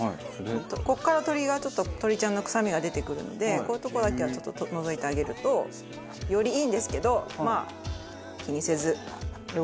ここから鶏がちょっと鶏ちゃんの臭みが出てくるのでこういう所だけはちょっと除いてあげるとよりいいんですけどまあ気にせず。